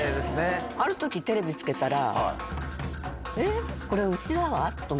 あるとき、テレビつけたら、え？